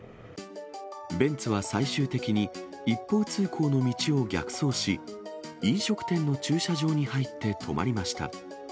ベンツは最終的に、一方通行の道を逆走し、飲食店の駐車場に入って止まりました。